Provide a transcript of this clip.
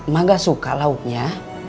mak gak suka lauknya